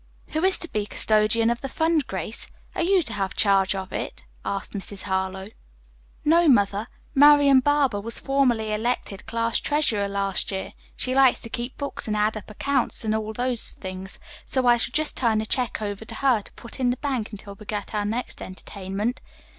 "Who is to be custodian of the fund, Grace? Are you to have charge of it?" asked Mrs. Harlowe. "No, mother; Marian Barber was formally elected class treasurer last year. She likes to keep books and add up accounts and all those things. So I shall just turn the check over to her to put in the bank until we give our next entertainment.